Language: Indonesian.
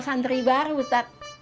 santri baru ustadz